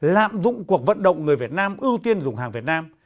lạm dụng cuộc vận động người việt nam ưu tiên dùng hàng việt nam